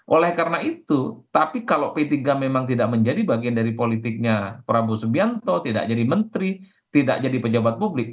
oleh karena itu tapi kalau p tiga memang tidak menjadi bagian dari politiknya prabowo subianto tidak jadi menteri tidak jadi pejabat publik